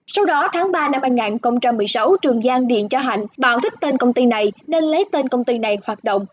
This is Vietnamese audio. sau đó tháng ba năm hai nghìn một mươi sáu trường giang điện cho hạnh bảo thích tên công ty này nên lấy tên công ty này hoạt động